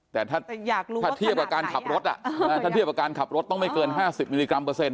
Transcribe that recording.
แต่ถ้าเทียบกับการขับรถต้องไม่เกิน๕๐มิลลิกรัมเปอร์เซ็นต์